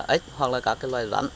ếch hoặc là các cái loài rắn